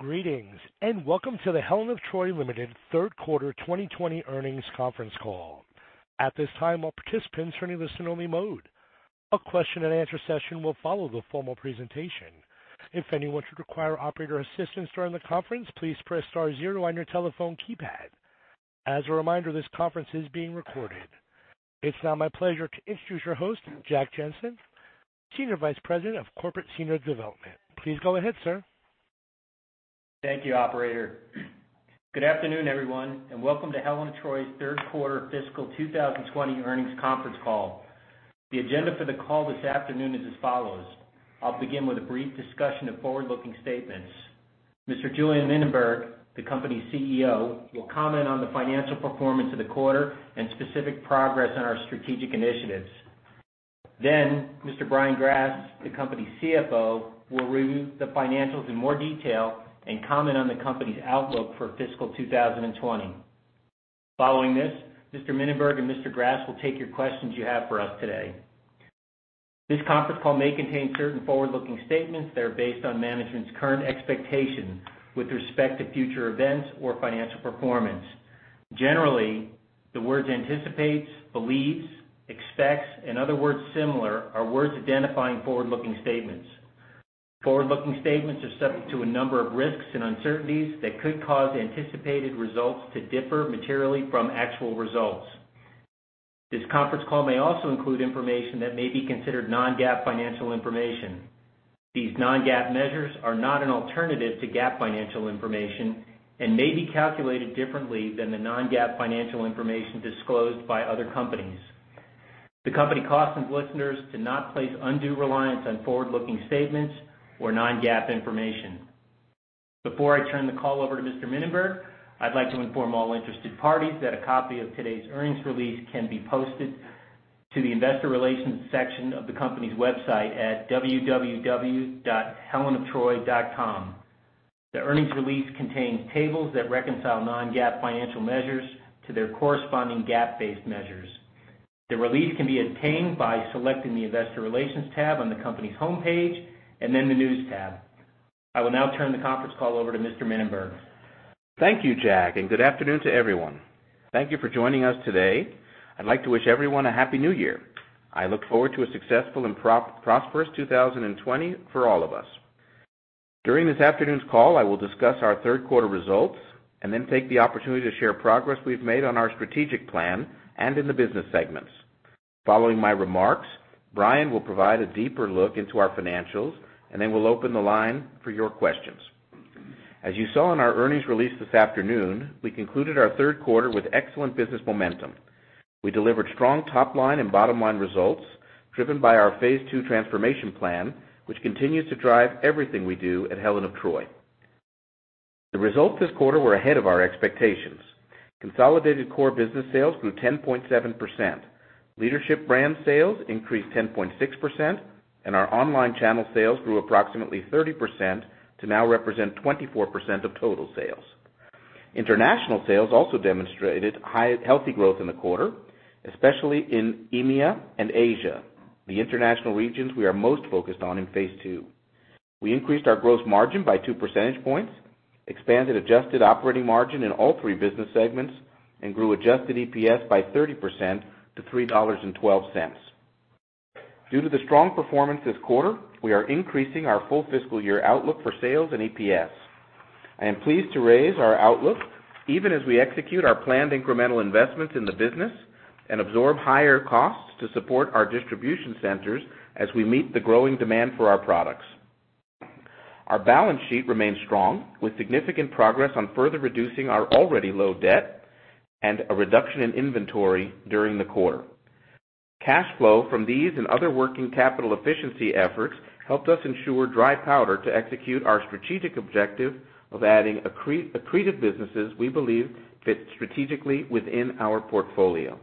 Greetings, welcome to the Helen of Troy Limited third quarter 2020 earnings conference call. At this time, all participants are in listen-only mode. A question and answer session will follow the formal presentation. If anyone should require operator assistance during the conference, please press star zero on your telephone keypad. As a reminder, this conference is being recorded. It's now my pleasure to introduce your host, Jack Jancin, Senior Vice President of Corporate Business Development. Please go ahead, sir. Thank you, operator. Good afternoon, everyone, and welcome to Helen of Troy's third quarter fiscal 2020 earnings conference call. The agenda for the call this afternoon is as follows. I'll begin with a brief discussion of forward-looking statements. Mr. Julien Mininberg, the company's CEO, will comment on the financial performance of the quarter and specific progress on our strategic initiatives. Mr. Brian Grass, the company's CFO, will review the financials in more detail and comment on the company's outlook for fiscal 2020. Following this, Mr. Mininberg and Mr. Grass will take your questions you have for us today. This conference call may contain certain forward-looking statements that are based on management's current expectations with respect to future events or financial performance. Generally, the words anticipates, believes, expects, and other words similar, are words identifying forward-looking statements. Forward-looking statements are subject to a number of risks and uncertainties that could cause anticipated results to differ materially from actual results. This conference call may also include information that may be considered non-GAAP financial information. These non-GAAP measures are not an alternative to GAAP financial information and may be calculated differently than the non-GAAP financial information disclosed by other companies. The company cautions listeners to not place undue reliance on forward-looking statements or non-GAAP information. Before I turn the call over to Mr. Mininberg, I'd like to inform all interested parties that a copy of today's earnings release can be posted to the investor relations section of the company's website at www.helenoftroy.com. The earnings release contains tables that reconcile non-GAAP financial measures to their corresponding GAAP-based measures. The release can be obtained by selecting the investor relations tab on the company's homepage and then the news tab. I will now turn the conference call over to Mr. Mininberg. Thank you, Jack, and good afternoon to everyone. Thank you for joining us today. I'd like to wish everyone a Happy New Year. I look forward to a successful and prosperous 2020 for all of us. During this afternoon's call, I will discuss our third quarter results and then take the opportunity to share progress we've made on our strategic plan and in the business segments. Following my remarks, Brian will provide a deeper look into our financials, and then we'll open the line for your questions. As you saw in our earnings release this afternoon, we concluded our third quarter with excellent business momentum. We delivered strong top-line and bottom-line results driven by our Phase Two transformation plan, which continues to drive everything we do at Helen of Troy. The results this quarter were ahead of our expectations. Consolidated core business sales grew 10.7%. Leadership brand sales increased 10.6%, and our online channel sales grew approximately 30% to now represent 24% of total sales. International sales also demonstrated healthy growth in the quarter, especially in EMEA and Asia, the international regions we are most focused on in Phase Two. We increased our gross margin by two percentage points, expanded adjusted operating margin in all three business segments, and grew adjusted EPS by 30% to $3.12. Due to the strong performance this quarter, we are increasing our full fiscal year outlook for sales and EPS. I am pleased to raise our outlook even as we execute our planned incremental investments in the business and absorb higher costs to support our distribution centers as we meet the growing demand for our products. Our balance sheet remains strong, with significant progress on further reducing our already low debt and a reduction in inventory during the quarter. Cash flow from these and other working capital efficiency efforts helped us ensure dry powder to execute our strategic objective of adding accretive businesses we believe fit strategically within our portfolio.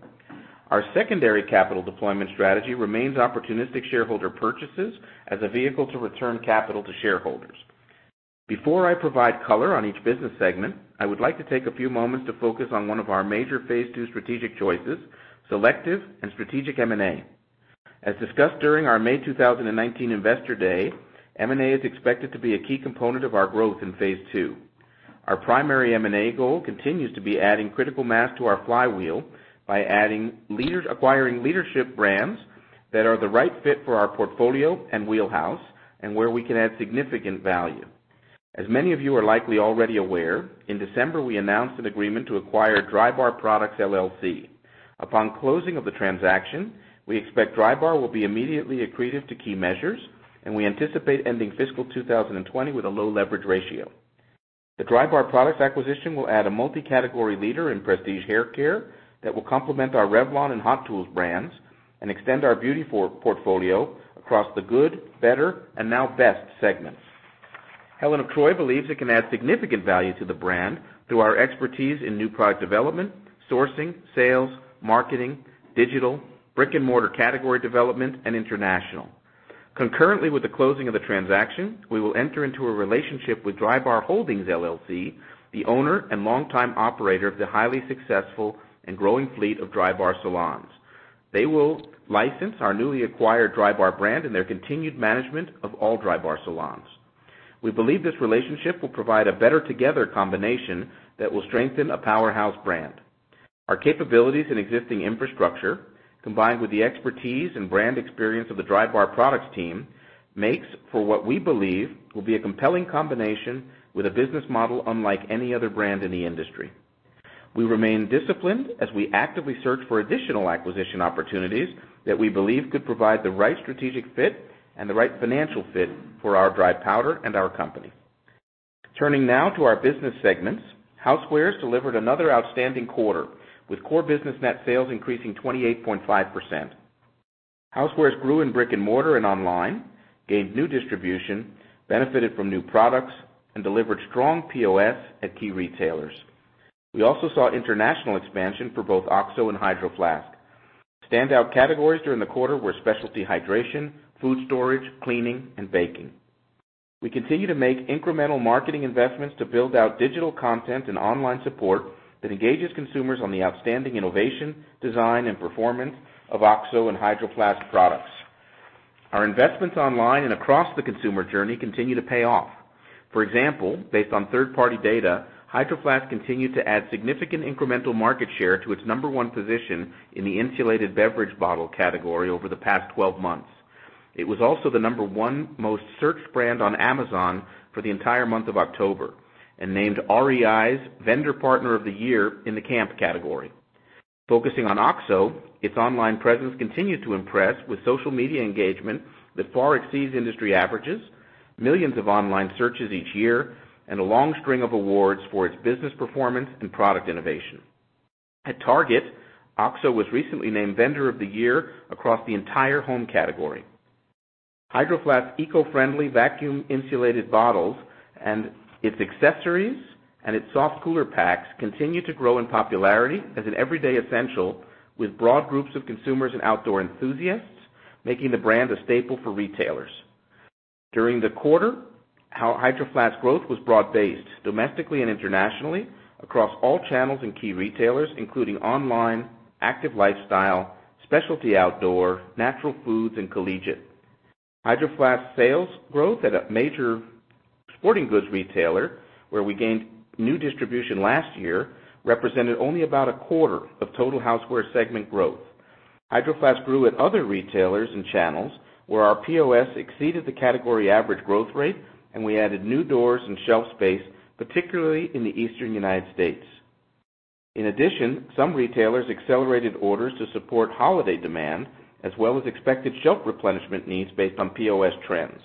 Our secondary capital deployment strategy remains opportunistic shareholder purchases as a vehicle to return capital to shareholders. Before I provide color on each business segment, I would like to take a few moments to focus on one of our major Phase Two strategic choices, selective and strategic M&A. As discussed during our May 2019 Investor Day, M&A is expected to be a key component of our growth in Phase Two. Our primary M&A goal continues to be adding critical mass to our flywheel by acquiring leadership brands that are the right fit for our portfolio and wheelhouse and where we can add significant value. As many of you are likely already aware, in December, we announced an agreement to acquire Drybar Products LLC. Upon closing of the transaction, we expect Drybar will be immediately accretive to key measures, and we anticipate ending fiscal 2020 with a low leverage ratio. The Drybar Products acquisition will add a multi-category leader in prestige haircare that will complement our Revlon and Hot Tools brands and extend our beauty portfolio across the good, better, and now best segments. Helen of Troy believes it can add significant value to the brand through our expertise in new product development, sourcing, sales, marketing, digital, brick and mortar category development, and international. Concurrently, with the closing of the transaction, we will enter into a relationship with Drybar Holdings LLC, the owner and longtime operator of the highly successful and growing fleet of Drybar salons. They will license our newly acquired Drybar brand and their continued management of all Drybar salons. We believe this relationship will provide a better together combination that will strengthen a powerhouse brand. Our capabilities and existing infrastructure, combined with the expertise and brand experience of the Drybar products team, makes for what we believe will be a compelling combination with a business model unlike any other brand in the industry. We remain disciplined as we actively search for additional acquisition opportunities that we believe could provide the right strategic fit and the right financial fit for our dry powder and our company. Turning now to our business segments, Housewares delivered another outstanding quarter, with core business net sales increasing 28.5%. Housewares grew in brick and mortar and online, gained new distribution, benefited from new products, and delivered strong POS at key retailers. We also saw international expansion for both OXO and Hydro Flask. Standout categories during the quarter were specialty hydration, food storage, cleaning, and baking. We continue to make incremental marketing investments to build out digital content and online support that engages consumers on the outstanding innovation, design, and performance of OXO and Hydro Flask products. Our investments online and across the consumer journey continue to pay off. For example, based on third-party data, Hydro Flask continued to add significant incremental market share to its number one position in the insulated beverage bottle category over the past 12 months. It was also the number 1 most searched brand on Amazon for the entire month of October, and named REI's Vendor Partner of the Year in the camp category. Focusing on OXO, its online presence continued to impress with social media engagement that far exceeds industry averages, millions of online searches each year, and a long string of awards for its business performance and product innovation. At Target, OXO was recently named Vendor of the Year across the entire home category. Hydro Flask eco-friendly vacuum insulated bottles and its accessories and its soft cooler packs continue to grow in popularity as an everyday essential, with broad groups of consumers and outdoor enthusiasts, making the brand a staple for retailers. During the quarter, our Hydro Flask growth was broad-based domestically and internationally across all channels and key retailers, including online, active lifestyle, specialty outdoor, natural foods, and collegiate. Hydro Flask sales growth at a major sporting goods retailer, where we gained new distribution last year, represented only about a quarter of total Housewares segment growth. Hydro Flask grew at other retailers and channels where our POS exceeded the category average growth rate, and we added new doors and shelf space, particularly in the Eastern United States. In addition, some retailers accelerated orders to support holiday demand, as well as expected shelf replenishment needs based on POS trends.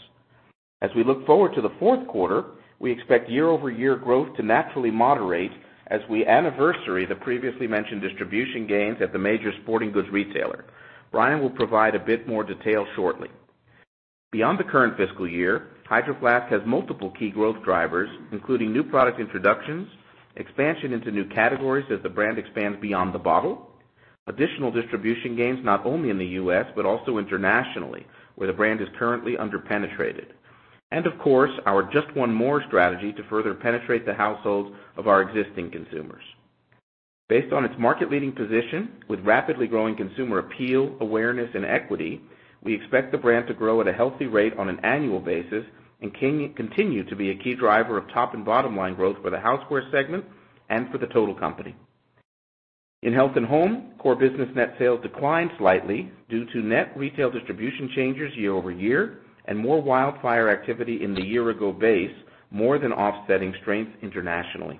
As we look forward to the fourth quarter, we expect year-over-year growth to naturally moderate as we anniversary the previously mentioned distribution gains at the major sporting goods retailer. Brian will provide a bit more detail shortly. Beyond the current fiscal year, Hydro Flask has multiple key growth drivers, including new product introductions, expansion into new categories as the brand expands beyond the bottle, additional distribution gains, not only in the U.S., but also internationally, where the brand is currently under-penetrated. Of course, our Just One More Strategy to further penetrate the households of our existing consumers. Based on its market-leading position with rapidly growing consumer appeal, awareness, and equity, we expect the brand to grow at a healthy rate on an annual basis and continue to be a key driver of top and bottom-line growth for the Housewares segment and for the total company. In Health & Home, core business net sales declined slightly due to net retail distribution changes year-over-year and more wildfire activity in the year-ago base, more than offsetting strengths internationally.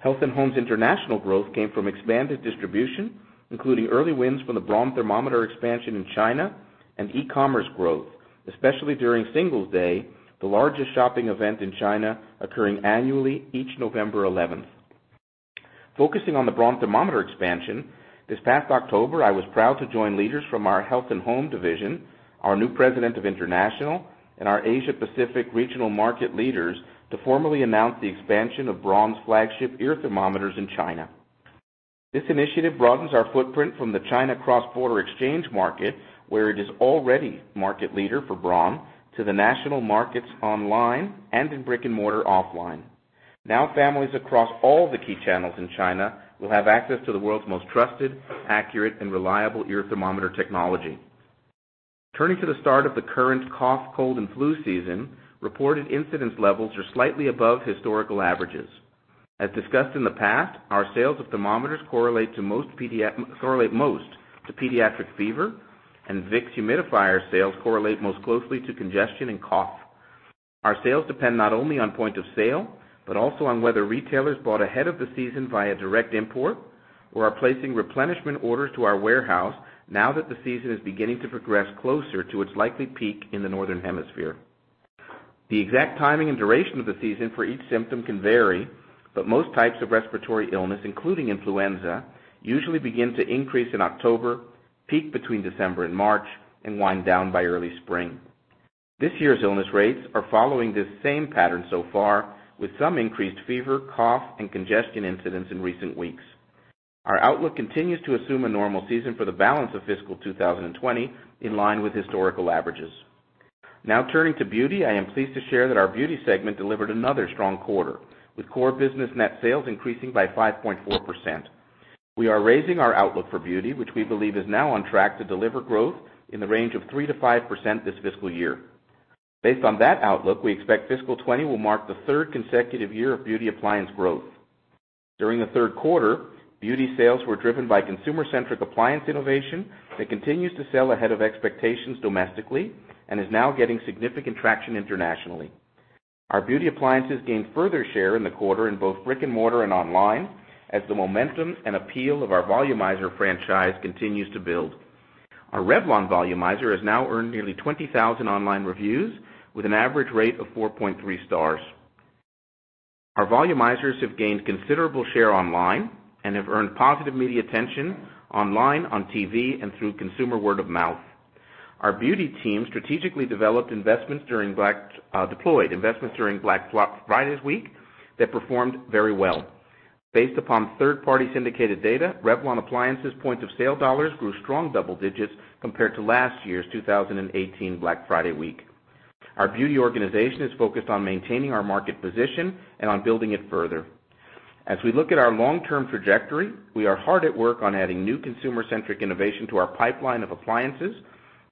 Health & Home's international growth came from expanded distribution, including early wins from the Braun thermometer expansion in China and e-commerce growth, especially during Singles Day, the largest shopping event in China occurring annually each November 11th. Focusing on the Braun thermometer expansion, this past October, I was proud to join leaders from our Health & Home division, our new president of International, and our Asia Pacific regional market leaders to formally announce the expansion of Braun's flagship ear thermometers in China. This initiative broadens our footprint from the China cross-border exchange market, where it is already market leader for Braun, to the national markets online and in brick-and-mortar offline. Families across all the key channels in China will have access to the world's most trusted, accurate, and reliable ear thermometer technology. Turning to the start of the current cough, cold, and flu season, reported incidence levels are slightly above historical averages. As discussed in the past, our sales of thermometers correlate most to pediatric fever, and Vicks humidifier sales correlate most closely to congestion and cough. Our sales depend not only on point of sale but also on whether retailers bought ahead of the season via direct import or are placing replenishment orders to our warehouse now that the season is beginning to progress closer to its likely peak in the northern hemisphere. The exact timing and duration of the season for each symptom can vary, but most types of respiratory illness, including influenza, usually begin to increase in October, peak between December and March, and wind down by early spring. This year's illness rates are following this same pattern so far, with some increased fever, cough, and congestion incidents in recent weeks. Our outlook continues to assume a normal season for the balance of fiscal 2020, in line with historical averages. Now turning to beauty. I am pleased to share that our beauty segment delivered another strong quarter, with core business net sales increasing by 5.4%. We are raising our outlook for beauty, which we believe is now on track to deliver growth in the range of 3% to 5% this fiscal year. Based on that outlook, we expect fiscal 2020 will mark the third consecutive year of beauty appliance growth. During the third quarter, beauty sales were driven by consumer-centric appliance innovation that continues to sell ahead of expectations domestically and is now getting significant traction internationally. Our beauty appliances gained further share in the quarter in both brick-and-mortar and online, as the momentum and appeal of our Volumizer franchise continues to build. Our Revlon Volumizer has now earned nearly 20,000 online reviews, with an average rate of 4.3 stars. Our Volumizers have gained considerable share online and have earned positive media attention online, on TV, and through consumer word of mouth. Our beauty team strategically developed investments deployed during Black Friday week that performed very well. Based upon third-party syndicated data, Revlon appliances point-of-sale dollars grew strong double digits compared to last year's 2018 Black Friday week. Our beauty organization is focused on maintaining our market position and on building it further. As we look at our long-term trajectory, we are hard at work on adding new consumer-centric innovation to our pipeline of appliances,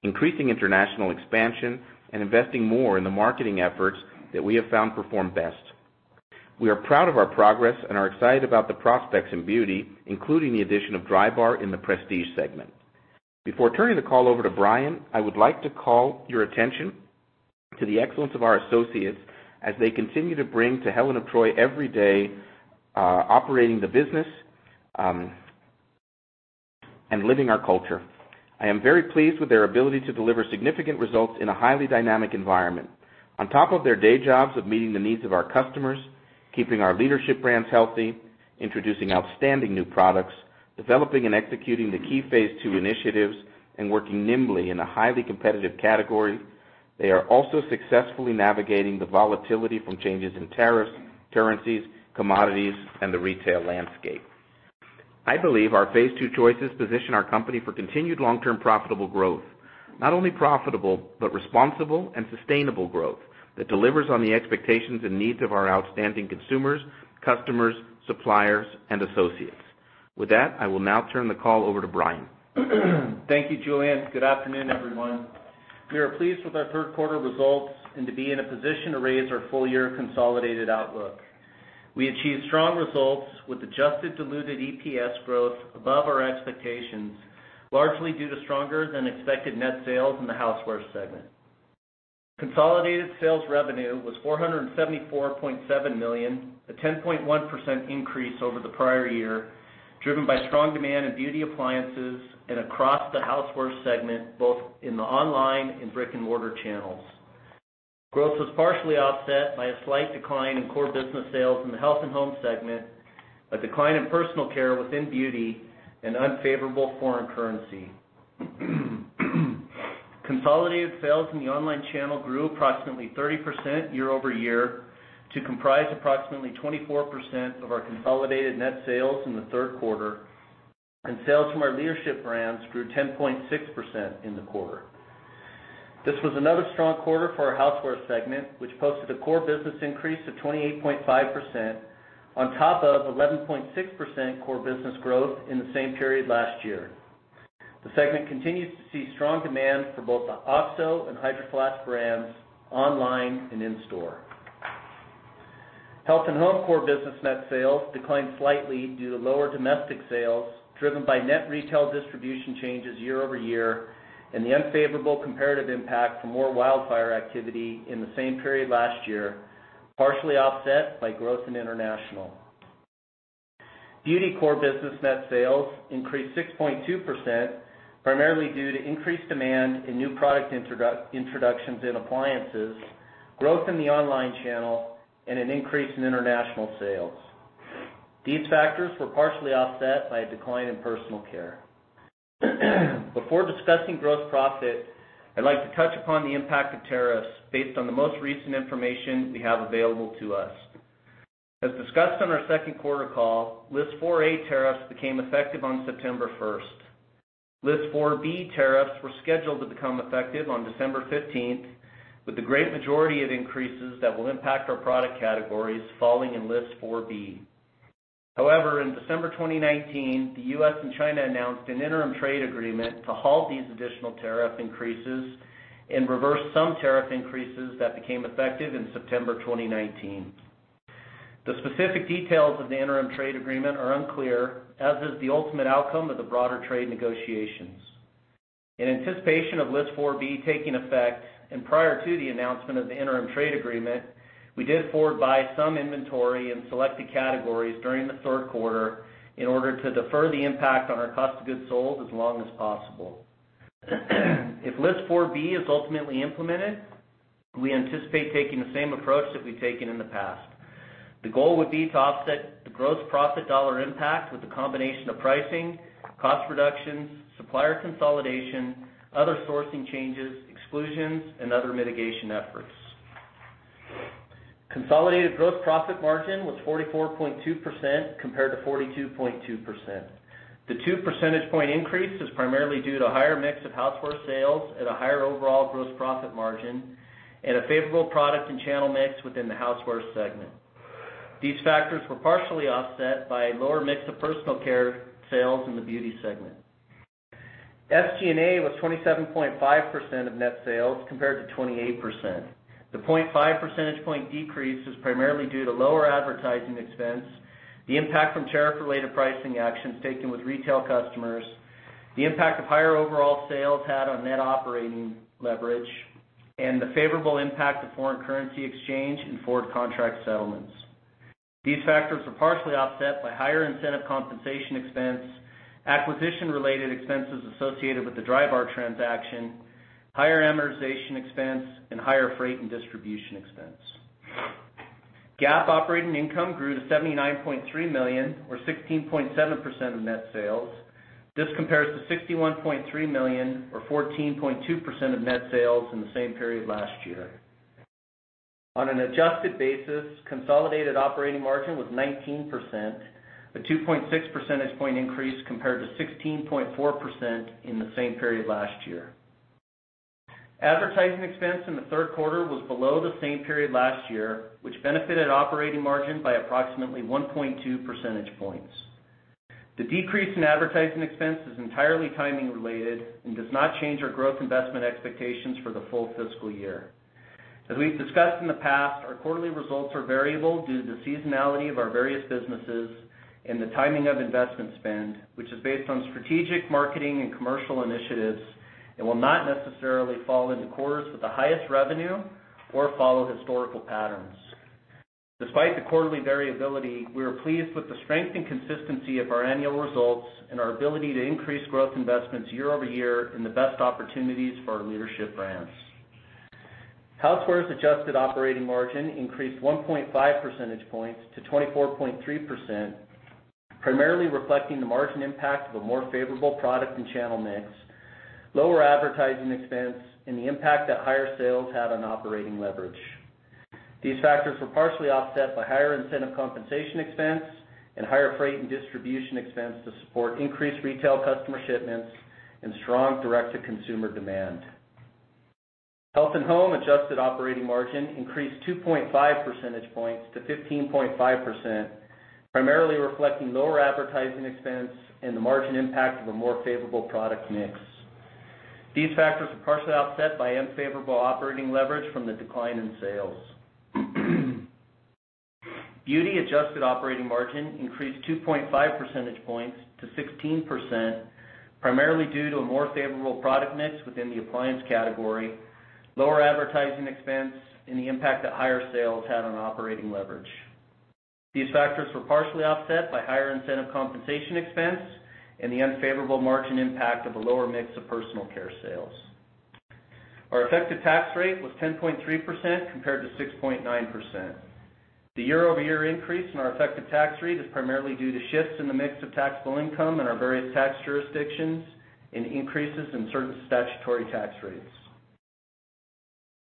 increasing international expansion, and investing more in the marketing efforts that we have found perform best. We are proud of our progress and are excited about the prospects in beauty, including the addition of Drybar in the prestige segment. Before turning the call over to Brian, I would like to call your attention to the excellence of our associates as they continue to bring to Helen of Troy every day, operating the business, and living our culture. I am very pleased with their ability to deliver significant results in a highly dynamic environment. On top of their day jobs of meeting the needs of our customers, keeping our leadership brands healthy, introducing outstanding new products, developing and executing the key Phase Two initiatives, and working nimbly in a highly competitive category, they are also successfully navigating the volatility from changes in tariffs, currencies, commodities, and the retail landscape. I believe our Phase Two choices position our company for continued long-term profitable growth. Not only profitable but responsible and sustainable growth that delivers on the expectations and needs of our outstanding consumers, customers, suppliers, and associates. With that, I will now turn the call over to Brian. Thank you, Julien. Good afternoon, everyone. We are pleased with our third quarter results and to be in a position to raise our full-year consolidated outlook. We achieved strong results with adjusted diluted EPS growth above our expectations, largely due to stronger-than-expected net sales in the housewares segment. Consolidated sales revenue was $474.7 million, a 10.1% increase over the prior year, driven by strong demand in beauty appliances and across the housewares segment, both in the online and brick-and-mortar channels. Growth was partially offset by a slight decline in core business sales in the Health & Home segment, a decline in personal care within beauty, and unfavorable foreign currency. Consolidated sales in the online channel grew approximately 30% year-over-year to comprise approximately 24% of our consolidated net sales in the third quarter, and sales from our leadership brands grew 10.6% in the quarter. This was another strong quarter for our housewares segment, which posted a core business increase of 28.5% on top of 11.6% core business growth in the same period last year. The segment continues to see strong demand for both the OXO and Hydro Flask brands online and in store. Health & Home core business net sales declined slightly due to lower domestic sales, driven by net retail distribution changes year-over-year and the unfavorable comparative impact from more wildfire activity in the same period last year, partially offset by growth in international. Beauty core business net sales increased 6.2%, primarily due to increased demand in new product introductions in appliances, growth in the online channel, and an increase in international sales. These factors were partially offset by a decline in personal care. Before discussing gross profit, I'd like to touch upon the impact of tariffs based on the most recent information we have available to us. As discussed on our second quarter call, List 4A tariffs became effective on September 1st. List 4B tariffs were scheduled to become effective on December 15th, with the great majority of increases that will impact our product categories falling in List 4B. However, in December 2019, the U.S. and China announced an interim trade agreement to halt these additional tariff increases and reverse some tariff increases that became effective in September 2019. The specific details of the interim trade agreement are unclear, as is the ultimate outcome of the broader trade negotiations. In anticipation of List 4B taking effect and prior to the announcement of the interim trade agreement, we did forward-buy some inventory in selected categories during the third quarter in order to defer the impact on our cost of goods sold as long as possible. If List 4B is ultimately implemented, we anticipate taking the same approach that we've taken in the past. The goal would be to offset the gross profit dollar impact with a combination of pricing, cost reductions, supplier consolidation, other sourcing changes, exclusions, and other mitigation efforts. Consolidated gross profit margin was 44.2% compared to 42.2%. The 2 percentage point increase is primarily due to higher mix of Housewares sales at a higher overall gross profit margin and a favorable product and channel mix within the Housewares segment. These factors were partially offset by a lower mix of Personal Care sales in the Beauty segment. SG&A was 27.5% of net sales compared to 28%. The 0.5 percentage point decrease is primarily due to lower advertising expense, the impact from tariff-related pricing actions taken with retail customers, the impact of higher overall sales had on net operating leverage, and the favorable impact of foreign currency exchange and forward contract settlements. These factors were partially offset by higher incentive compensation expense, acquisition-related expenses associated with the Drybar transaction, higher amortization expense, and higher freight and distribution expense. GAAP operating income grew to $79.3 million or 16.7% of net sales. This compares to $61.3 million or 14.2% of net sales in the same period last year. On an adjusted basis, consolidated operating margin was 19%, a 2.6 percentage point increase compared to 16.4% in the same period last year. Advertising expense in the third quarter was below the same period last year, which benefited operating margin by approximately 1.2 percentage points. The decrease in advertising expense is entirely timing related and does not change our growth investment expectations for the full fiscal year. As we've discussed in the past, our quarterly results are variable due to the seasonality of our various businesses and the timing of investment spend, which is based on strategic marketing and commercial initiatives and will not necessarily fall into quarters with the highest revenue or follow historical patterns. Despite the quarterly variability, we are pleased with the strength and consistency of our annual results and our ability to increase growth investments year-over-year in the best opportunities for our leadership brands. Housewares' adjusted operating margin increased 1.5 percentage points to 24.3%, primarily reflecting the margin impact of a more favorable product and channel mix, lower advertising expense, and the impact that higher sales had on operating leverage. These factors were partially offset by higher incentive compensation expense and higher freight and distribution expense to support increased retail customer shipments and strong direct-to-consumer demand. Health & Home adjusted operating margin increased 2.5 percentage points to 15.5%, primarily reflecting lower advertising expense and the margin impact of a more favorable product mix. These factors were partially offset by unfavorable operating leverage from the decline in sales. Beauty adjusted operating margin increased 2.5 percentage points to 16%, primarily due to a more favorable product mix within the appliance category, lower advertising expense, and the impact that higher sales had on operating leverage. These factors were partially offset by higher incentive compensation expense and the unfavorable margin impact of a lower mix of personal care sales. Our effective tax rate was 10.3% compared to 6.9%. The year-over-year increase in our effective tax rate is primarily due to shifts in the mix of taxable income in our various tax jurisdictions and increases in certain statutory tax rates.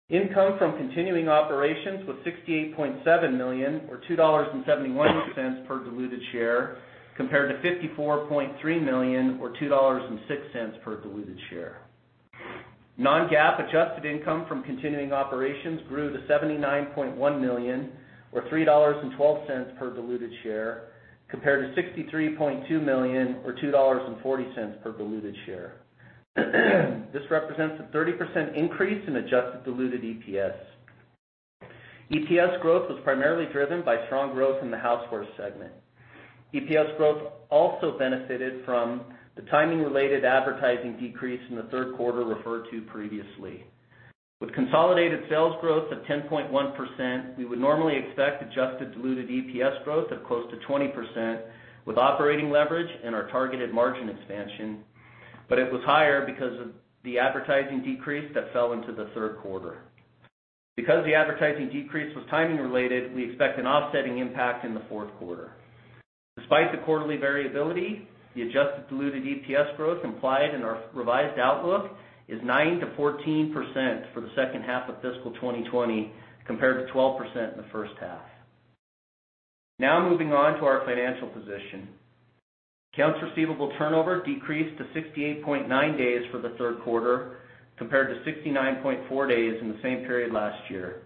Income from continuing operations was $68.7 million or $2.71 per diluted share, compared to $54.3 million or $2.06 per diluted share. Non-GAAP adjusted income from continuing operations grew to $79.1 million or $3.12 per diluted share, compared to $63.2 million or $2.40 per diluted share. This represents a 30% increase in adjusted diluted EPS. EPS growth was primarily driven by strong growth in the Housewares segment. EPS growth also benefited from the timing-related advertising decrease in the third quarter referred to previously. With consolidated sales growth of 10.1%, we would normally expect adjusted diluted EPS growth of close to 20% with operating leverage and our targeted margin expansion, but it was higher because of the advertising decrease that fell into the third quarter. Because the advertising decrease was timing related, we expect an offsetting impact in the fourth quarter. Despite the quarterly variability, the adjusted diluted EPS growth implied in our revised outlook is 9%-14% for the second half of fiscal 2020, compared to 12% in the first half. Now moving on to our financial position. Accounts receivable turnover decreased to 68.9 days for the third quarter, compared to 69.4 days in the same period last year.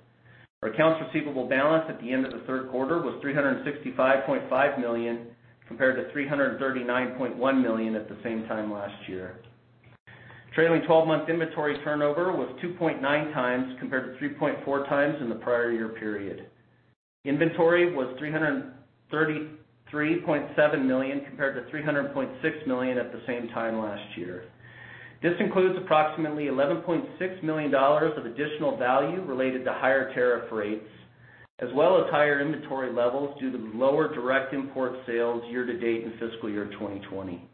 Our accounts receivable balance at the end of the third quarter was $365.5 million compared to $339.1 million at the same time last year. Trailing 12-month inventory turnover was 2.9 times compared to 3.4 times in the prior year period. Inventory was $333.7 million compared to $300.6 million at the same time last year. This includes approximately $11.6 million of additional value related to higher tariff rates, as well as higher inventory levels due to lower direct import sales year to date in fiscal year 2020.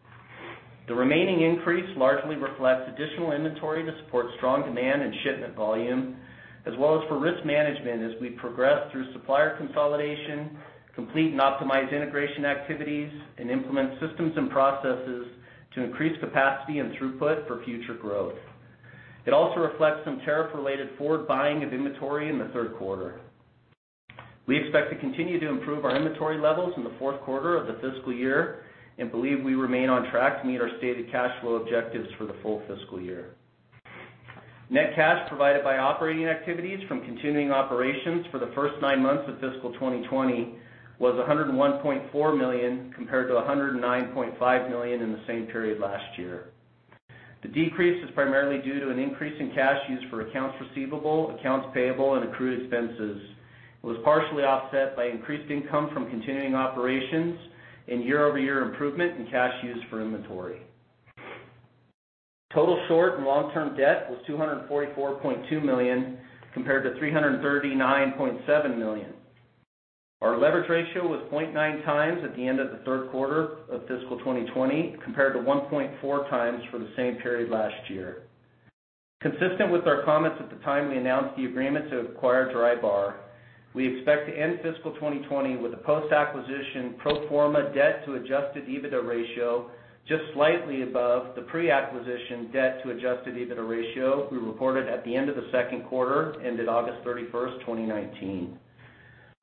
The remaining increase largely reflects additional inventory to support strong demand and shipment volume, as well as for risk management as we progress through supplier consolidation, complete and optimize integration activities, and implement systems and processes to increase capacity and throughput for future growth. It also reflects some tariff-related forward buying of inventory in the third quarter. We expect to continue to improve our inventory levels in the fourth quarter of the fiscal year and believe we remain on track to meet our stated cash flow objectives for the full fiscal year. Net cash provided by operating activities from continuing operations for the first nine months of fiscal 2020 was $101.4 million, compared to $109.5 million in the same period last year. The decrease is primarily due to an increase in cash used for accounts receivable, accounts payable, and accrued expenses. It was partially offset by increased income from continuing operations and year-over-year improvement in cash used for inventory. Total short and long-term debt was $244.2 million, compared to $339.7 million. Our leverage ratio was 0.9 times at the end of the third quarter of fiscal 2020, compared to 1.4 times for the same period last year. Consistent with our comments at the time we announced the agreement to acquire Drybar, we expect to end fiscal 2020 with a post-acquisition pro forma debt to adjusted EBITDA ratio just slightly above the pre-acquisition debt to adjusted EBITDA ratio we reported at the end of the second quarter, ended August 31st, 2019.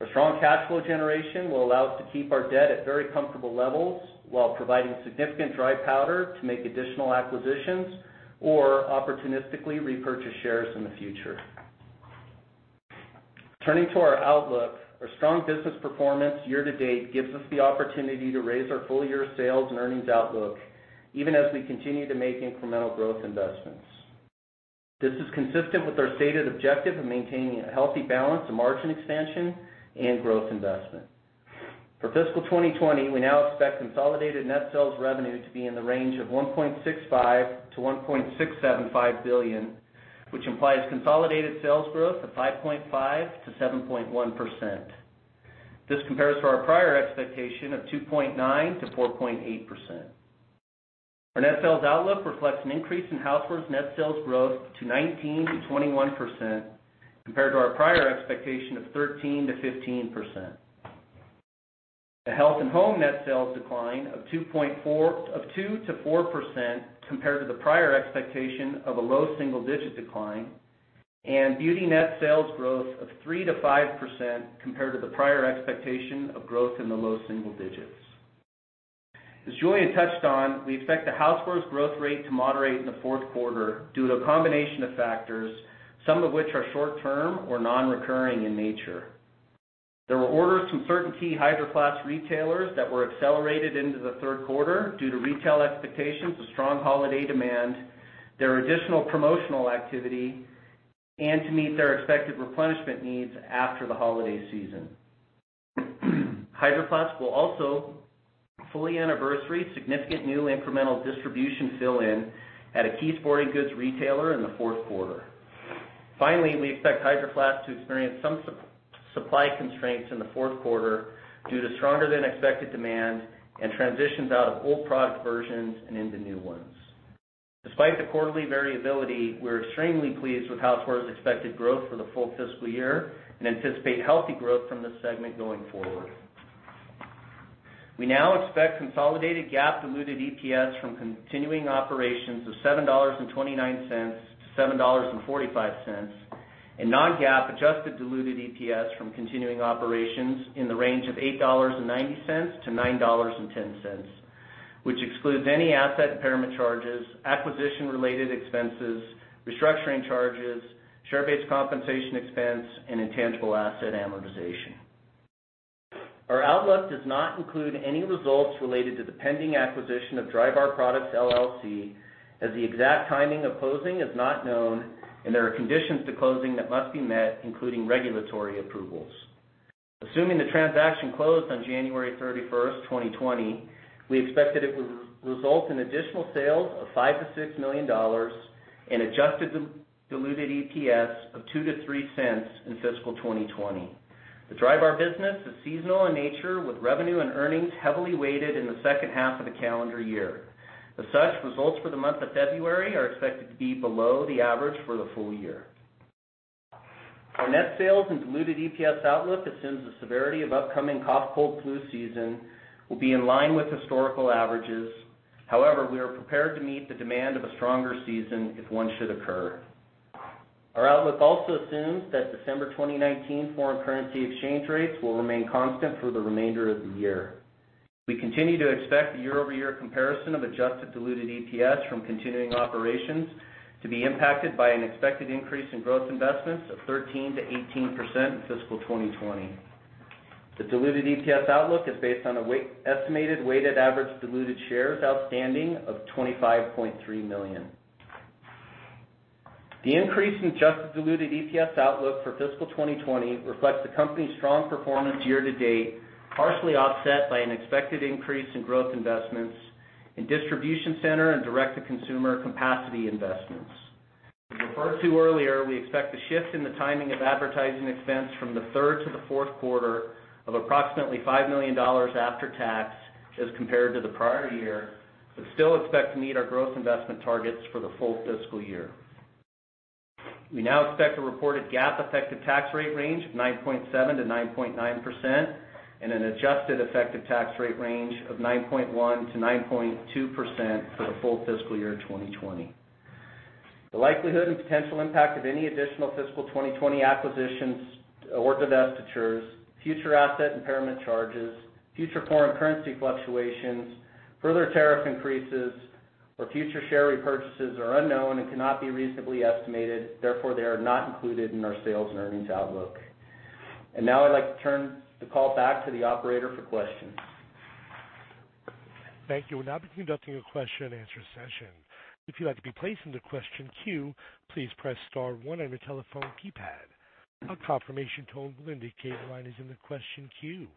Our strong cash flow generation will allow us to keep our debt at very comfortable levels while providing significant dry powder to make additional acquisitions or opportunistically repurchase shares in the future. Turning to our outlook, our strong business performance year-to-date gives us the opportunity to raise our full-year sales and earnings outlook, even as we continue to make incremental growth investments. This is consistent with our stated objective of maintaining a healthy balance of margin expansion and growth investment. For fiscal 2020, we now expect consolidated net sales revenue to be in the range of $1.65 billion-$1.675 billion, which implies consolidated sales growth of 5.5%-7.1%. This compares to our prior expectation of 2.9%-4.8%. Our net sales outlook reflects an increase in housewares net sales growth to 19%-21%, compared to our prior expectation of 13%-15%. The Health & Home net sales decline of 2%-4%, compared to the prior expectation of a low single-digit decline, and beauty net sales growth of 3%-5%, compared to the prior expectation of growth in the low single digits. As Julien touched on, we expect the housewares growth rate to moderate in the fourth quarter due to a combination of factors, some of which are short-term or non-recurring in nature. There were orders from certain key Hydro Flask retailers that were accelerated into the third quarter due to retail expectations of strong holiday demand, their additional promotional activity, and to meet their expected replenishment needs after the holiday season. Hydro Flask will also fully anniversary significant new incremental distribution fill-in at a key sporting goods retailer in the fourth quarter. Finally, we expect Hydro Flask to experience some supply constraints in the fourth quarter due to stronger than expected demand and transitions out of old product versions and into new ones. Despite the quarterly variability, we're extremely pleased with housewares' expected growth for the full fiscal year and anticipate healthy growth from this segment going forward. We now expect consolidated GAAP diluted EPS from continuing operations of $7.29 to $7.45, and non-GAAP adjusted diluted EPS from continuing operations in the range of $8.90 to $9.10, which excludes any asset impairment charges, acquisition-related expenses, restructuring charges, share-based compensation expense, and intangible asset amortization. Our outlook does not include any results related to the pending acquisition of Drybar Products LLC, as the exact timing of closing is not known and there are conditions to closing that must be met, including regulatory approvals. Assuming the transaction closed on January 31st, 2020, we expect that it will result in additional sales of $5 million to $6 million in adjusted diluted EPS of $0.02 to $0.03 in fiscal 2020. The Drybar business is seasonal in nature, with revenue and earnings heavily weighted in the second half of the calendar year. As such, results for the month of February are expected to be below the average for the full year. Our net sales and diluted EPS outlook assumes the severity of upcoming cough, cold, flu season will be in line with historical averages. However, we are prepared to meet the demand of a stronger season if one should occur. Our outlook also assumes that December 2019 foreign currency exchange rates will remain constant for the remainder of the year. We continue to expect the year-over-year comparison of adjusted diluted EPS from continuing operations to be impacted by an expected increase in growth investments of 13%-18% in fiscal 2020. The diluted EPS outlook is based on an estimated weighted average diluted shares outstanding of 25.3 million. The increase in adjusted diluted EPS outlook for fiscal 2020 reflects the company's strong performance year-to-date, partially offset by an expected increase in growth investments in distribution center and direct-to-consumer capacity investments. As referred to earlier, we expect the shift in the timing of advertising expense from the third to the fourth quarter of approximately $5 million after tax as compared to the prior year, but still expect to meet our growth investment targets for the full fiscal year. We now expect a reported GAAP effective tax rate range of 9.7% to 9.9% and an adjusted effective tax rate range of 9.1% to 9.2% for the full fiscal year 2020. The likelihood and potential impact of any additional fiscal 2020 acquisitions or divestitures, future asset impairment charges, future foreign currency fluctuations, further tariff increases, or future share repurchases are unknown and cannot be reasonably estimated. Therefore, they are not included in our sales and earnings outlook. Now I'd like to turn the call back to the operator for questions. Thank you. We'll now be conducting a question and answer session. If you'd like to be placed into question queue, please press star one on your telephone keypad. A confirmation tone will indicate your line is in the question queue.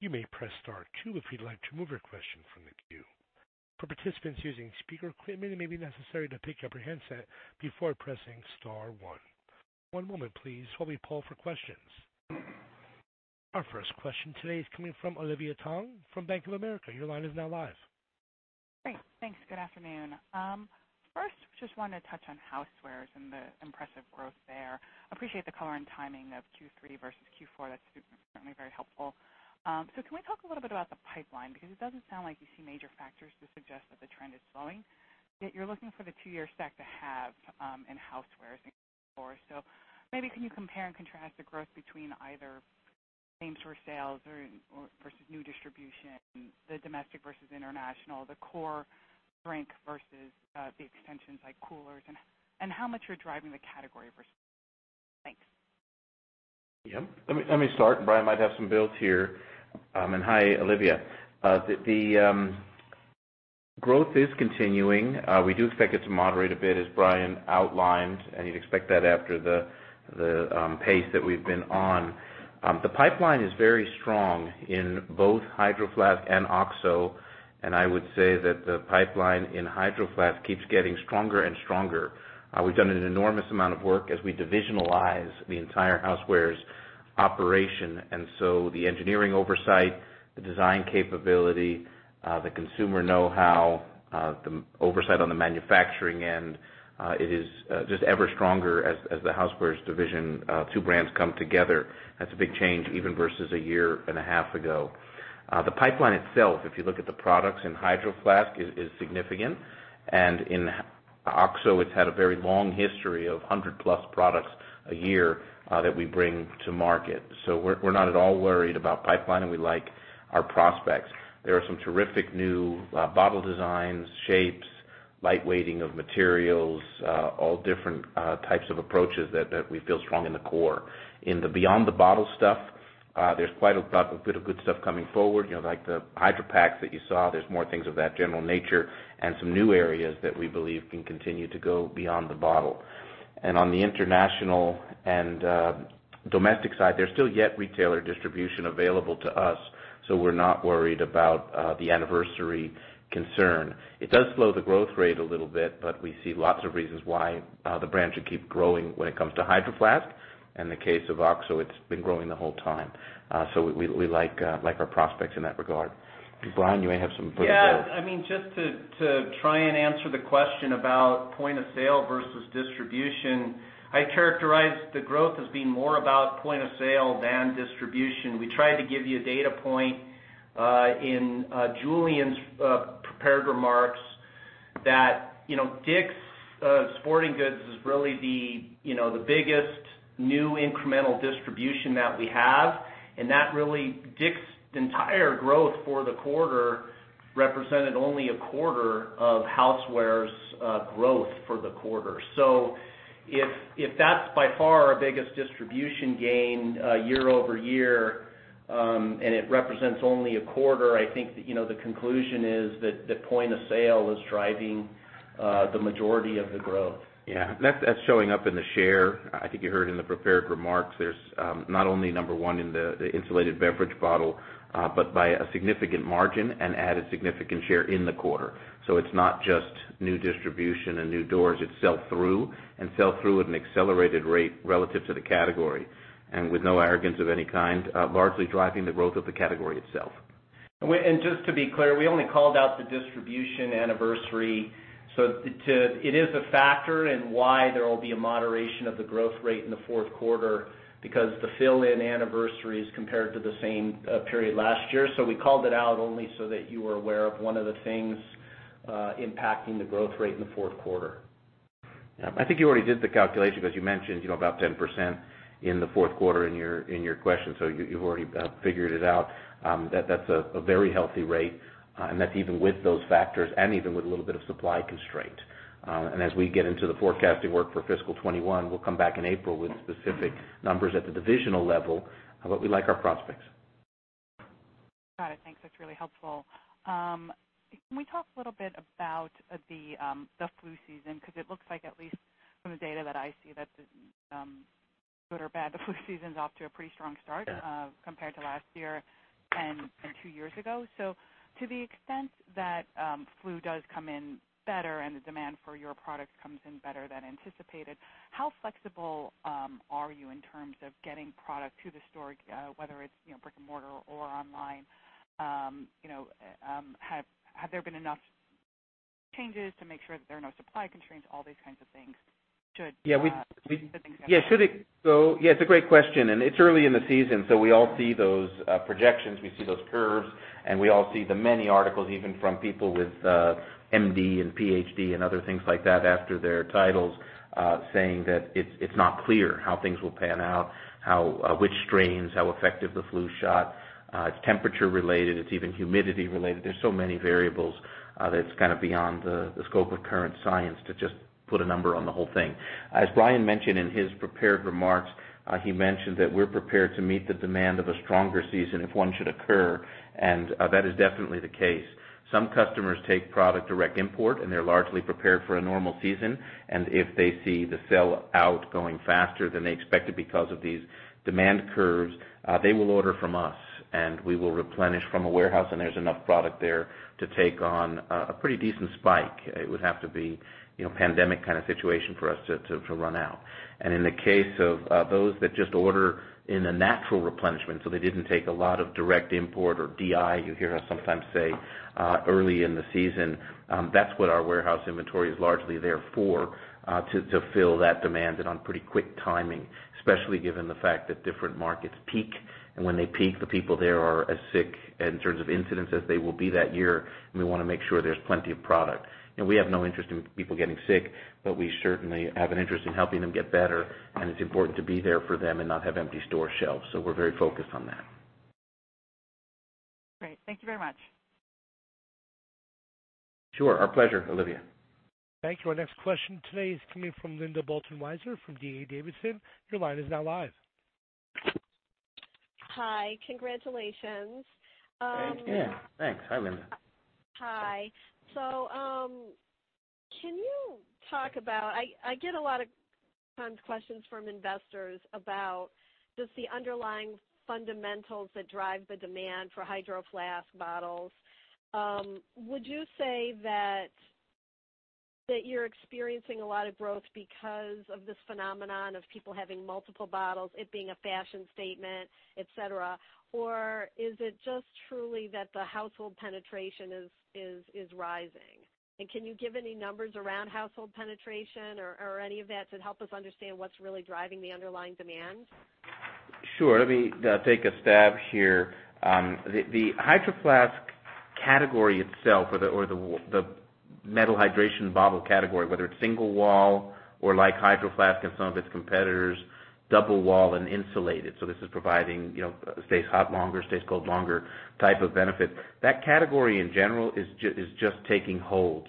You may press star two if you'd like to remove your question from the queue. For participants using speaker equipment, it may be necessary to pick up your handset before pressing star one. One moment please while we poll for questions. Our first question today is coming from Olivia Tong from Bank of America. Your line is now live. Great. Thanks. Good afternoon. First, just wanted to touch on Housewares and the impressive growth there. Appreciate the color and timing of Q3 versus Q4. That's certainly very helpful. Can we talk a little bit about the pipeline? Because it doesn't sound like you see major factors to suggest that the trend is slowing, yet you're looking for the 2-year stack to have in Housewares in Q4. Maybe can you compare and contrast the growth between either same store sales versus new distribution, the domestic versus international, the core Drink versus the extensions like coolers, and how much you're driving the category versus? Thanks. Yep. Let me start. Brian might have some builds here. Hi, Olivia. The growth is continuing. We do expect it to moderate a bit as Brian outlined, and you'd expect that after the pace that we've been on. The pipeline is very strong in both Hydro Flask and OXO, and I would say that the pipeline in Hydro Flask keeps getting stronger and stronger. We've done an enormous amount of work as we divisionalize the entire Housewares operation, the engineering oversight, the design capability, the consumer know-how, the oversight on the manufacturing end, it is just ever stronger as the Housewares division two brands come together. That's a big change even versus a year and a half ago. The pipeline itself, if you look at the products in Hydro Flask, is significant. In OXO, it's had a very long history of 100-plus products a year that we bring to market. We're not at all worried about pipeline, and we like our prospects. There are some terrific new bottle designs, shapes, light weighting of materials, all different types of approaches that we feel strong in the core. In the beyond the bottle stuff, there's quite a bit of good stuff coming forward. Like the Hydro Flask that you saw, there's more things of that general nature and some new areas that we believe can continue to go beyond the bottle. On the international and domestic side, there's still yet retailer distribution available to us, so we're not worried about the anniversary concern. It does slow the growth rate a little bit, but we see lots of reasons why the brand should keep growing when it comes to Hydro Flask. In the case of OXO, it's been growing the whole time. We like our prospects in that regard. Brian, you may have some further build. Yeah. Just to try and answer the question about point of sale versus distribution, I characterize the growth as being more about point of sale than distribution. We tried to give you a data point in Julien's prepared remarks that Dick's Sporting Goods is really the biggest new incremental distribution that we have, and that really, Dick's entire growth for the quarter represented only a quarter of Housewares' growth for the quarter. If that's by far our biggest distribution gain year-over-year, and it represents only a quarter, I think the conclusion is that the point of sale is driving the majority of the growth. That's showing up in the share. I think you heard in the prepared remarks, there's not only number 1 in the insulated beverage bottle, but by a significant margin and added significant share in the quarter. It's not just new distribution and new doors. It's sell-through, and sell-through at an accelerated rate relative to the category, and with no arrogance of any kind, largely driving the growth of the category itself. Just to be clear, we only called out the distribution anniversary. It is a factor in why there will be a moderation of the growth rate in the fourth quarter because the fill-in anniversaries compared to the same period last year. We called it out only so that you were aware of one of the things impacting the growth rate in the fourth quarter. Yeah. I think you already did the calculation because you mentioned about 10% in the fourth quarter in your question, so you've already figured it out. That's a very healthy rate, and that's even with those factors and even with a little bit of supply constraint. As we get into the forecasting work for fiscal 2021, we'll come back in April with specific numbers at the divisional level. We like our prospects. Got it. Thanks. That's really helpful. Can we talk a little bit about the flu season? It looks like at least from the data that I see, good or bad, the flu season's off to a pretty strong start. Yeah compared to last year and two years ago. To the extent that flu does come in better and the demand for your product comes in better than anticipated, how flexible are you in terms of getting product to the store, whether it's brick and mortar or online? Have there been enough changes to make sure that there are no supply constraints, all these kinds of things. Yeah. things going on. Yeah, it's a great question. It's early in the season, we all see those projections, we see those curves, we all see the many articles, even from people with MD and PhD and other things like that after their titles, saying that it's not clear how things will pan out, which strains, how effective the flu shot. It's temperature related, it's even humidity related. There's so many variables that it's kind of beyond the scope of current science to just put a number on the whole thing. As Brian mentioned in his prepared remarks, he mentioned that we're prepared to meet the demand of a stronger season if one should occur. That is definitely the case. Some customers take product direct import. They're largely prepared for a normal season. If they see the sellout going faster than they expected because of these demand curves, they will order from us, and we will replenish from a warehouse, and there's enough product there to take on a pretty decent spike. It would have to be a pandemic kind of situation for us to run out. In the case of those that just order in the natural replenishment, so they didn't take a lot of direct import or DI, you hear us sometimes say early in the season, that's what our warehouse inventory is largely there for, to fill that demand and on pretty quick timing, especially given the fact that different markets peak and when they peak, the people there are as sick in terms of incidence as they will be that year, and we want to make sure there's plenty of product. We have no interest in people getting sick, but we certainly have an interest in helping them get better. It's important to be there for them and not have empty store shelves. We're very focused on that. Great. Thank you very much. Sure. Our pleasure, Olivia. Thank you. Our next question today is coming from Linda Bolton-Weiser from D.A. Davidson. Your line is now live. Hi. Congratulations. Thanks. Yeah. Thanks. Hi, Linda. Hi. Can you talk about, I get a lot of times questions from investors about just the underlying fundamentals that drive the demand for Hydro Flask bottles. Would you say that you're experiencing a lot of growth because of this phenomenon of people having multiple bottles, it being a fashion statement, et cetera, or is it just truly that the household penetration is rising? Can you give any numbers around household penetration or any of that to help us understand what's really driving the underlying demand? Sure. Let me take a stab here. The Hydro Flask category itself or the metal hydration bottle category, whether it's single wall or like Hydro Flask and some of its competitors, double wall and insulated, so this is providing stays hot longer, stays cold longer type of benefit. That category in general is just taking hold.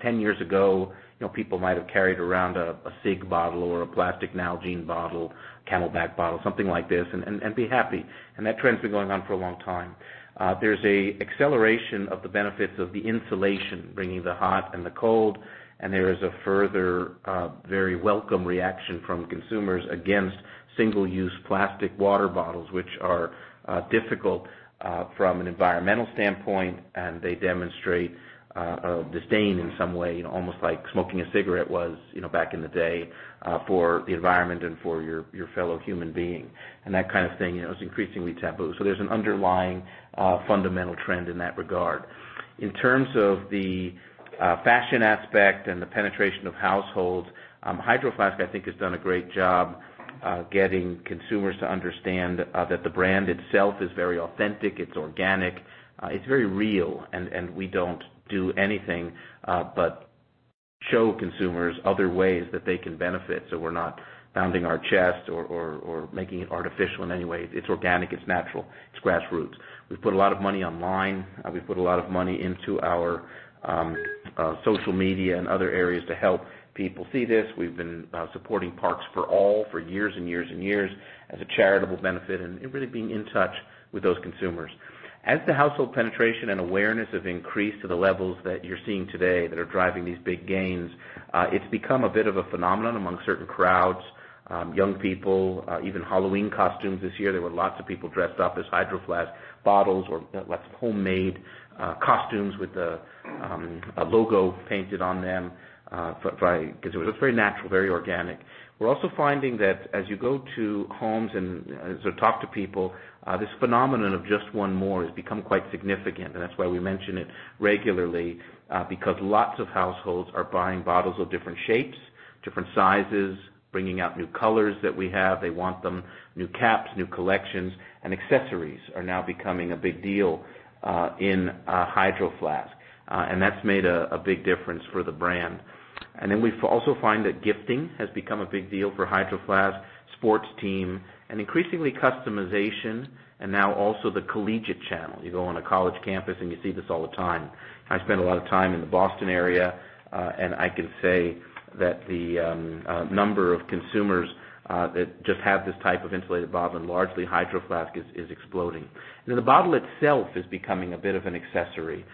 10 years ago, people might have carried around a SIGG bottle or a plastic Nalgene bottle, CamelBak bottle, something like this, and be happy. That trend's been going on for a long time. There's a acceleration of the benefits of the insulation, bringing the hot and the cold, and there is a further very welcome reaction from consumers against single use plastic water bottles, which are difficult from an environmental standpoint, and they demonstrate a disdain in some way, almost like smoking a cigarette was back in the day for the environment and for your fellow human being and that kind of thing. It's increasingly taboo. There's an underlying fundamental trend in that regard. In terms of the fashion aspect and the penetration of households, Hydro Flask, I think, has done a great job getting consumers to understand that the brand itself is very authentic, it's organic, it's very real, and we don't do anything but show consumers other ways that they can benefit. We're not pounding our chest or making it artificial in any way. It's organic, it's natural, it's grassroots. We've put a lot of money online. We've put a lot of money into our social media and other areas to help people see this. We've been supporting Parks for All for years and years and years as a charitable benefit and really being in touch with those consumers. As the household penetration and awareness have increased to the levels that you're seeing today that are driving these big gains, it's become a bit of a phenomenon among certain crowds, young people, even Halloween costumes this year. There were lots of people dressed up as Hydro Flask bottles or lots of homemade costumes with a logo painted on them, because it was very natural, very organic. We're also finding that as you go to homes and as you talk to people, this phenomenon of Just One More has become quite significant. That's why we mention it regularly, because lots of households are buying bottles of different shapes, different sizes, bringing out new colors that we have. They want them, new caps, new collections, and accessories are now becoming a big deal in Hydro Flask. That's made a big difference for the brand. We also find that gifting has become a big deal for Hydro Flask, sports team, and increasingly customization, and now also the collegiate channel. You go on a college campus and you see this all the time. I spend a lot of time in the Boston area, and I can say that the number of consumers that just have this type of insulated bottle and largely Hydro Flask is exploding. The bottle itself is becoming a bit of an accessory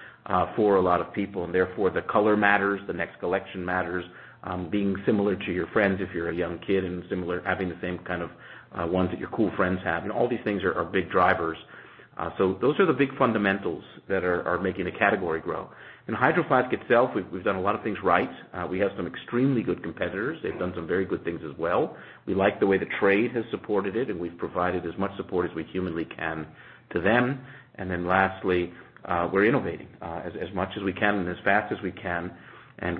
for a lot of people, and therefore the color matters, the next collection matters, being similar to your friends if you're a young kid and having the same kind of ones that your cool friends have. All these things are big drivers. Those are the big fundamentals that are making the category grow. In Hydro Flask itself, we've done a lot of things right. We have some extremely good competitors. They've done some very good things as well. We like the way the trade has supported it, and we've provided as much support as we humanly can to them. Lastly, we're innovating as much as we can and as fast as we can.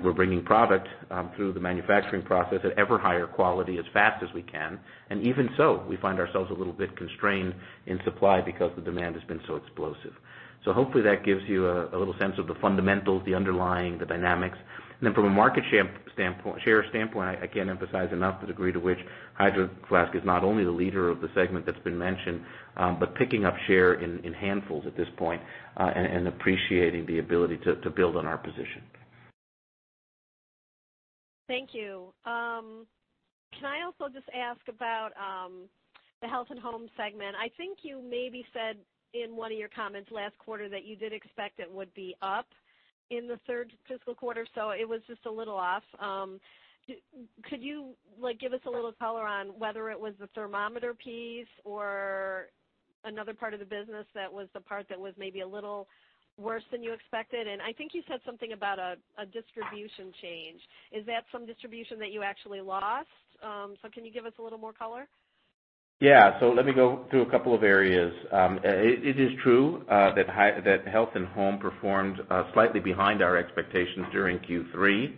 We're bringing product through the manufacturing process at ever higher quality, as fast as we can. Even so, we find ourselves a little bit constrained in supply because the demand has been so explosive. Hopefully, that gives you a little sense of the fundamentals, the underlying, the dynamics. From a market share standpoint, I can't emphasize enough the degree to which Hydro Flask is not only the leader of the segment that's been mentioned, but picking up share in handfuls at this point, and appreciating the ability to build on our position. Thank you. Can I also just ask about the Health & Home segment? I think you maybe said in one of your comments last quarter that you did expect it would be up in the third fiscal quarter. It was just a little off. Could you give us a little color on whether it was the thermometer piece or another part of the business that was the part that was maybe a little worse than you expected? I think you said something about a distribution change. Is that some distribution that you actually lost? Can you give us a little more color? Yeah. Let me go through a couple of areas. It is true that Health & Home performed slightly behind our expectations during Q3,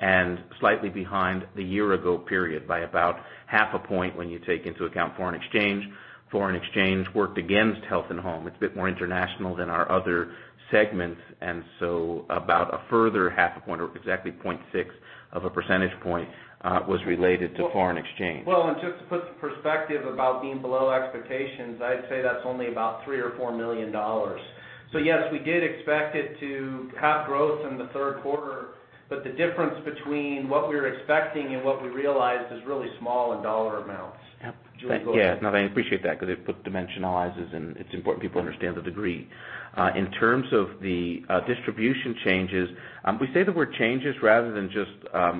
and slightly behind the year ago period by about half a point when you take into account foreign exchange. Foreign exchange worked against Health & Home. It's a bit more international than our other segments, and so about a further half a point or exactly 0.6 of a percentage point was related to foreign exchange. Well, just to put some perspective about being below expectations, I'd say that's only about $3 or $4 million. Yes, we did expect it to have growth in the third quarter, but the difference between what we were expecting and what we realized is really small in dollar amounts. Yeah. No, I appreciate that because it dimensionalizes and it's important people understand the degree. In terms of the distribution changes, we say the word changes rather than just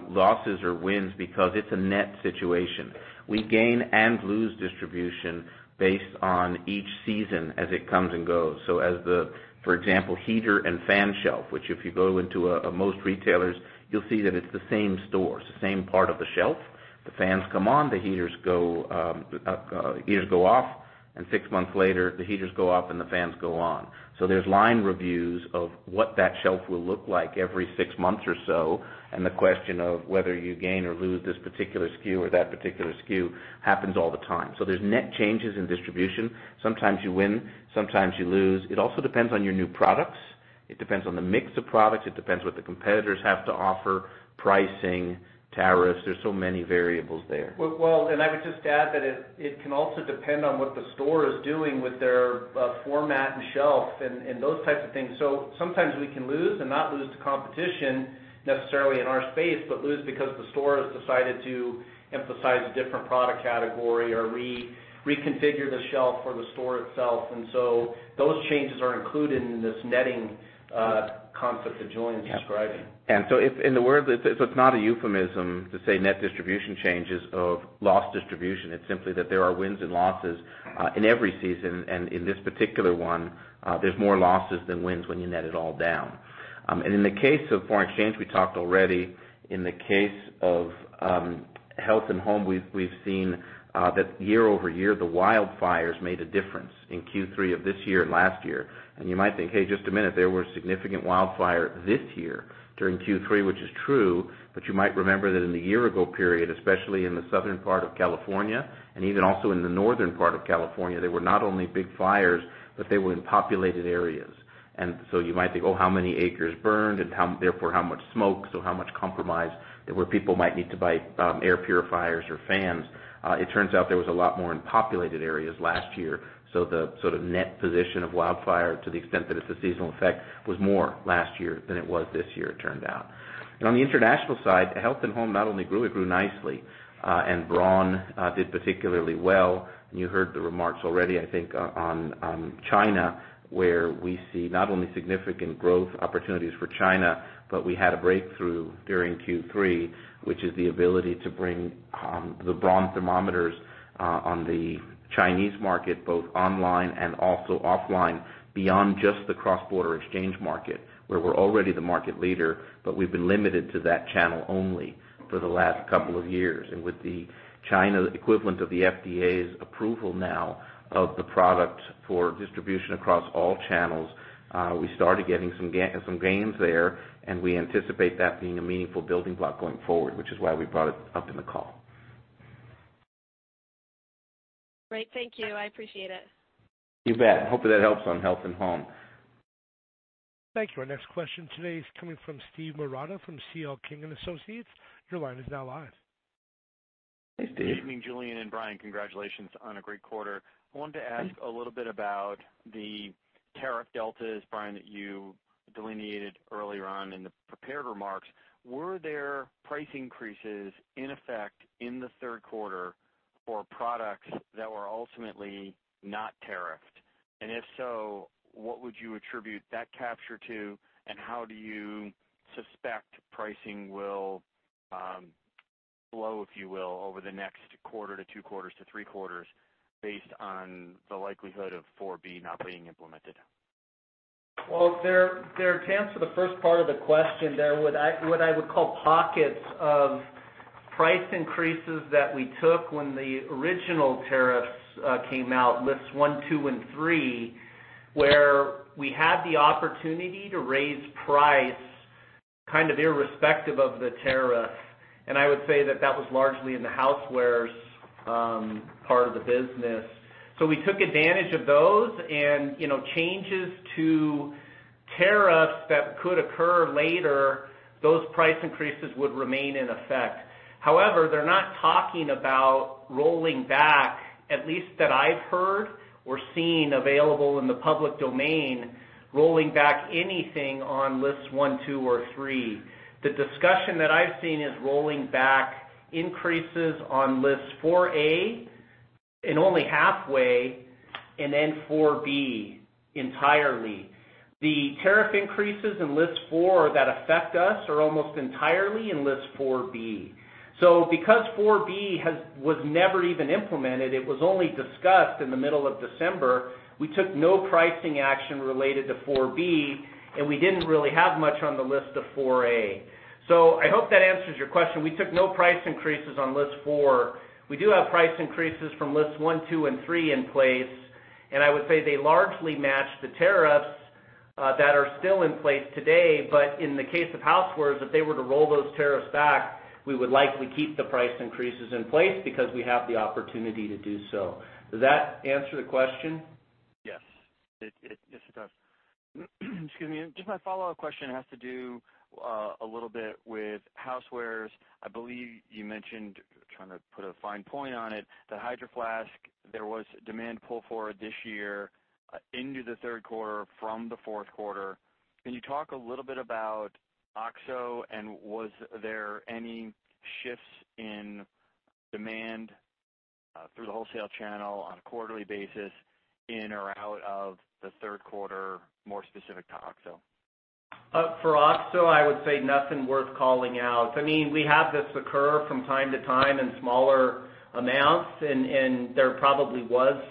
losses or wins because it's a net situation. We gain and lose distribution based on each season as it comes and goes. As the, for example, heater and fan shelf, which if you go into most retailers, you'll see that it's the same stores, the same part of the shelf. The fans come on, the heaters go off, and six months later, the heaters go off, and the fans go on. There's line reviews of what that shelf will look like every six months or so, and the question of whether you gain or lose this particular SKU or that particular SKU happens all the time. There's net changes in distribution. Sometimes you win, sometimes you lose. It also depends on your new products. It depends on the mix of products. It depends what the competitors have to offer, pricing, tariffs. There's so many variables there. I would just add that it can also depend on what the store is doing with their format and shelf and those types of things. Sometimes we can lose and not lose to competition necessarily in our space, but lose because the store has decided to emphasize a different product category or reconfigure the shelf for the store itself. Those changes are included in this netting concept that Julien's describing. It's not a euphemism to say net distribution changes of lost distribution. It is simply that there are wins and losses in every season, and in this particular one, there is more losses than wins when you net it all down. In the case of foreign exchange, we talked already. In the case of Health & Home, we have seen that year-over-year, the wildfires made a difference in Q3 of this year and last year. You might think, "Hey, just a minute. There were significant wildfires this year during Q3," which is true, but you might remember that in the year-ago period, especially in the southern part of California and even also in the northern part of California, there were not only big fires, but they were in populated areas. You might think, "Oh, how many acres burned and therefore how much smoke? How much compromise where people might need to buy air purifiers or fans? It turns out there was a lot more in populated areas last year. The sort of net position of wildfire to the extent that it's a seasonal effect was more last year than it was this year, it turned out. On the international side, Health & Home not only grew, it grew nicely. Braun did particularly well. You heard the remarks already, I think, on China, where we see not only significant growth opportunities for China, but we had a breakthrough during Q3, which is the ability to bring the Braun thermometers on the Chinese market, both online and also offline, beyond just the cross-border exchange market, where we are already the market leader, but we have been limited to that channel only for the last couple of years. With the China equivalent of the FDA's approval now of the product for distribution across all channels, we started getting some gains there, and we anticipate that being a meaningful building block going forward, which is why we brought it up in the call. Great. Thank you. I appreciate it. You bet. Hopefully that helps on Health & Home. Thank you. Our next question today is coming from Steve Marotta from C.L. King & Associates. Your line is now live. Hey, Steve. Good evening, Julien and Brian. Congratulations on a great quarter. I wanted to ask a little bit about the tariff deltas, Brian, that you delineated earlier on in the prepared remarks. Were there price increases in effect in the third quarter for products that were ultimately not tariffed? If so, what would you attribute that capture to, and how do you suspect pricing will flow, if you will, over the next quarter to two quarters to three quarters based on the likelihood of 4B not being implemented? Well, to answer the first part of the question, there were what I would call pockets of price increases that we took when the original tariffs came out, lists one, two, and three, where we had the opportunity to raise price irrespective of the tariff. I would say that that was largely in the housewares part of the business. We took advantage of those and changes to tariffs that could occur later, those price increases would remain in effect. However, they're not talking about rolling back, at least that I've heard or seen available in the public domain, rolling back anything on lists one, two, or three. The discussion that I've seen is rolling back increases on List 4A, and only halfway, and then List 4B entirely. The tariff increases in List 4 that affect us are almost entirely in List 4B. Because List 4B was never even implemented, it was only discussed in the middle of December, we took no pricing action related to List 4B, and we didn't really have much on List 4A. I hope that answers your question. We took no price increases on List 4. We do have price increases from Lists 1, 2, and 3 in place, and I would say they largely match the tariffs that are still in place today. In the case of housewares, if they were to roll those tariffs back, we would likely keep the price increases in place because we have the opportunity to do so. Does that answer the question? Yes, it does. Excuse me. Just my follow-up question has to do a little bit with housewares. I believe you mentioned, trying to put a fine point on it, the Hydro Flask. There was demand pull forward this year into the third quarter from the fourth quarter. Can you talk a little bit about OXO, and was there any shifts in demand through the wholesale channel on a quarterly basis in or out of the third quarter, more specific to OXO? For OXO, I would say nothing worth calling out. We have this occur from time to time in smaller amounts, and there probably was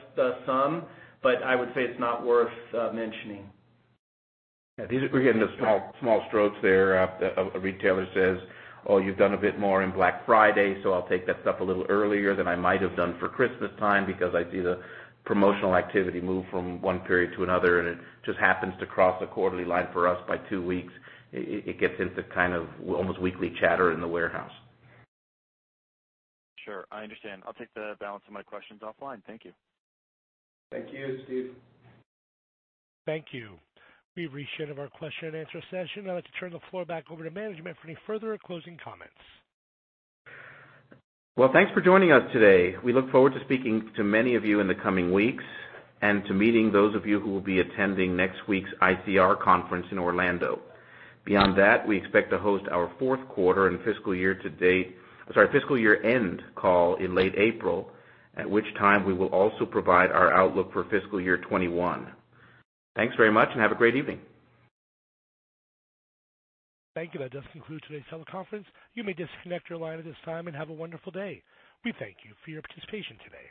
some, but I would say it's not worth mentioning. Yeah, these are small strokes there. A retailer says, "Oh, you've done a bit more in Black Friday, so I'll take that stuff a little earlier than I might have done for Christmas time because I see the promotional activity move from one period to another, and it just happens to cross a quarterly line for us by two weeks." It gets into kind of almost weekly chatter in the warehouse. Sure. I understand. I'll take the balance of my questions offline. Thank you. Thank you, Steve. Thank you. We've reached the end of our question and answer session. I'd like to turn the floor back over to management for any further closing comments. Well, thanks for joining us today. We look forward to speaking to many of you in the coming weeks and to meeting those of you who will be attending next week's ICR conference in Orlando. Beyond that, we expect to host our fourth quarter and fiscal year to date Sorry, fiscal year-end call in late April. At which time, we will also provide our outlook for fiscal year 2021. Thanks very much and have a great evening. Thank you. That does conclude today's teleconference. You may disconnect your line at this time and have a wonderful day. We thank you for your participation today.